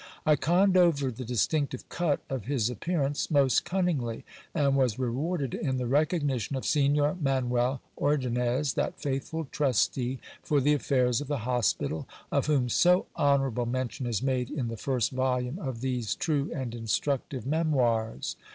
I conned over the distinctive cut of his appearance most cunningly, and was rewarded in the recognition of Signor Manuel Ordonnez, that faithful trustee for the affairs of the hospital, of >vhom so honourable mention is made in the first volume of these true and instructive memoirs.